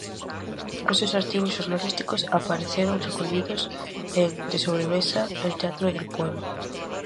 Os seus artigos xornalísticos apareceron recollidos en "De sobremesa", "El teatro del pueblo".